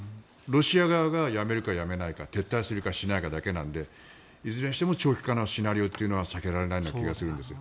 ロシア側がやめるか、やめないか撤退するかしないかだけなのでいずれにしても長期化のシナリオは避けられない気がするんです。